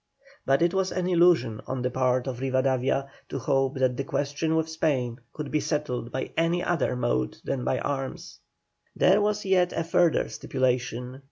But it was an illusion on the part of Rivadavia to hope that the question with Spain could be settled by any other mode than by arms. There was yet a further stipulation.